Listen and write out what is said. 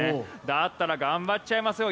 だったら頑張っちゃいますよ